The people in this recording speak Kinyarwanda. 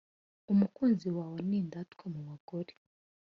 Umukunzi wawe n’indatwa mu bagore